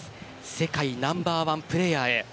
世界ナンバーワンプレーヤーへ。